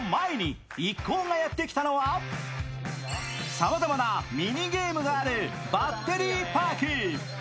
さまざまなミニゲームがあるバッテリーパーク。